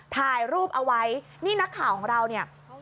ถ่ายรูปเอาไว้นี่นักข่าวของเราเนี่ย